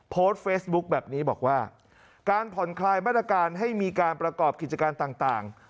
โพสต์เฟซบุ๊คแบบนี้บอกว่าการผ่อนคลายมาตรการให้มีการประกอบกิจการต่าง